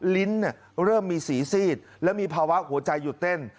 ลิ้นเริ่มมีสีซีดและมีภาวะหัวใจหยุดเต้น